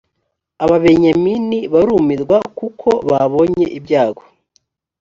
ababenyamini barumirwa kuko babonye ibyago